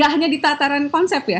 tidak hanya di tataran konsep ya